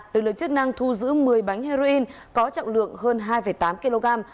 lực lượng chức năng thu giữ một mươi bánh heroin có trọng lượng hơn hai tám kg